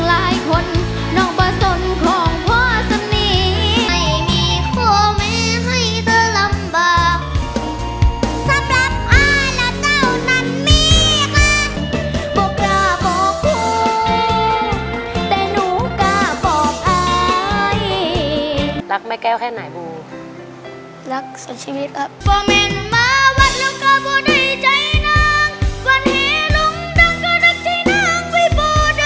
รักแม่แก้วแค่ไหนบูรักสันชีวิตครับ